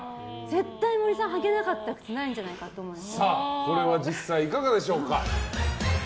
絶対、森さん、履けなかった靴ないんじゃないかと思うんです。